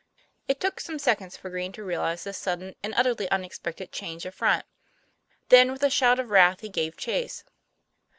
It took some seconds for Green to realize this sud den and utterly unexpected change of front; then with a shout of wrath he gave chase.